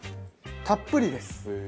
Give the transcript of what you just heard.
たっぷりです。